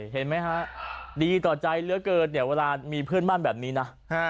เห็นไหมฮะดีต่อใจเหลือเกินเนี่ยเวลามีเพื่อนบ้านแบบนี้นะ